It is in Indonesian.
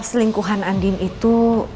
selingkuhan andin itu